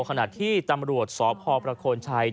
ขณะที่ตำรวจสพประโคนชัย